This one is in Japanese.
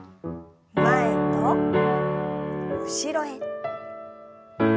前と後ろへ。